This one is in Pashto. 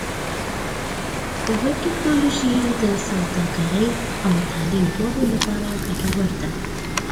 ویب ټکنالوژي د سوداګرۍ او تعلیم دواړو لپاره ګټوره ده.